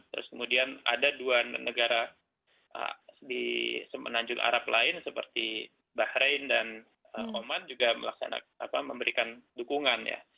terus kemudian ada dua negara di semenanjung arab lain seperti bahrain dan oman juga memberikan dukungan ya